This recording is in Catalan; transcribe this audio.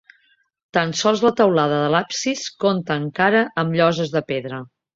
Tan sols la teulada de l'absis compta encara amb lloses de pedra.